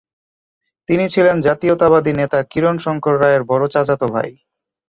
তিনি ছিলেন জাতীয়তাবাদী নেতা কিরণ শঙ্কর রায়ের বড় চাচাত ভাই।